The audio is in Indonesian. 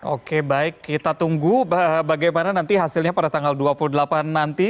oke baik kita tunggu bagaimana nanti hasilnya pada tanggal dua puluh delapan nanti